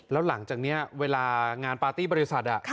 แล้วหลังจากนี้เวลางานปาร์ตี้บริษัท